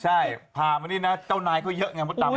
ใช่พามานี่นะเจ้านายก็เยอะไงมดดำ